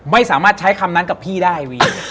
ไม่สามารถใช้คำนั้นกับพี่ได้วี